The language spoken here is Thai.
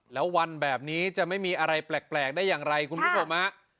แล้ววันแบบนี้จะไม่มีอะไรแปลกได้อย่างไรคุณผู้ชมฮะ